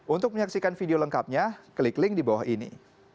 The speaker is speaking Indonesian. untuk menyaksikan video lengkapnya klik link di bawah ini